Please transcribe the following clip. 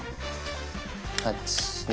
８７。